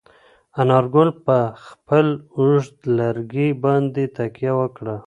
انارګل په خپل اوږد لرګي باندې تکیه وکړه.